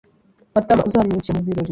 Matamauzamwirukira mubirori.